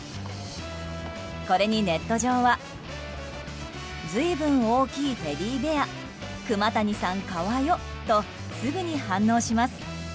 これに、ネット上は随分大きいテディベアクマ谷さんかわよとすぐに反応します。